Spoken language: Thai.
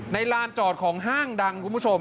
ลานจอดของห้างดังคุณผู้ชม